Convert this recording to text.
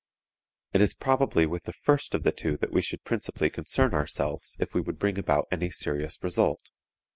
It is probably with the first of the two that we should principally concern ourselves if we would bring about any serious result.